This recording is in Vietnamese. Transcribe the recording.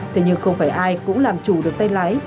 thế nhưng không phải ai cũng làm chủ được tay lái